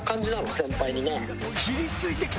先輩にね」